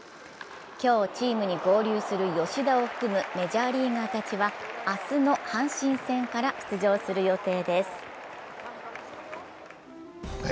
今日、チームに合流する吉田を含むメジャーリーガーたちは明日の阪神戦から出場する予定です。